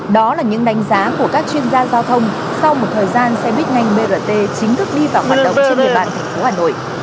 đó là những đánh giá của các chuyên gia giao thông sau một thời gian xe buýt nhanh brt chính thức đi vào hoạt động trên địa bàn tp hà nội